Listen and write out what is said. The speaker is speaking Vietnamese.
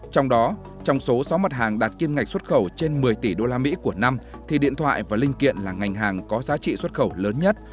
trong đó trong số sáu mặt hàng đạt kim ngạch xuất khẩu trên một mươi tỷ usd của năm thì điện thoại và linh kiện là ngành hàng có giá trị xuất khẩu lớn nhất